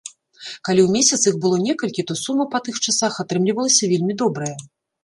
Калі ў месяц іх было некалькі, то сума па тых часах атрымлівалася вельмі добрая.